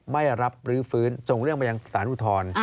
ไม่รับรื้อฟื้นส่งเรื่องมาอย่างศาลุ่ทร